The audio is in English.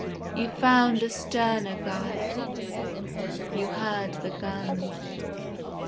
You found a sterner guide; You heard the guns.